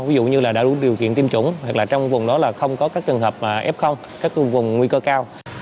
ví dụ như là đã đủ điều kiện tiêm chủng hoặc là trong vùng đó là không có các trường hợp f các vùng nguy cơ cao